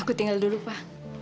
aku tinggal dulu pa